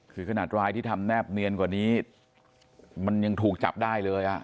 คือขนาดรายที่ทำแนบเนียนกว่านี้มันยังถูกจับได้เลยอ่ะ